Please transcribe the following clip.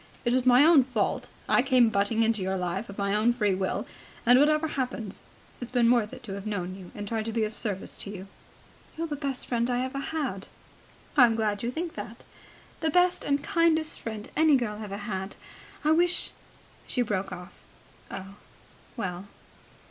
It was my own fault. I came butting in on your life of my own free will, and, whatever happens, it's been worth it to have known you and tried to be of service to you." "You're the best friend I've ever had." "I'm glad you think that." "The best and kindest friend any girl ever had. I wish ..." She broke off. "Oh, well.